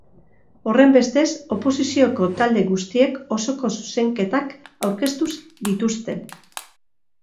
Horrenbestez, oposizioko talde guztiek osoko zuzenketak aurkeztu dituzte.